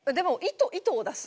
「糸を出す」！